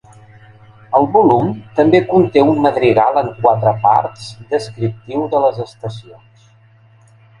El volum també conté un madrigal en quatre parts descriptiu de les estacions.